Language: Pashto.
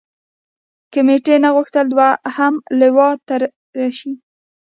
کمېټې نه غوښتل دوهمه لواء تېره شي.